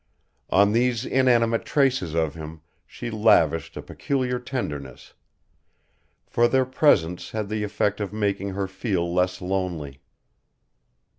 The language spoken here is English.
On these inanimate traces of him she lavished a peculiar tenderness, for their presence had the effect of making her feel less lonely.